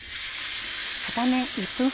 片面１分半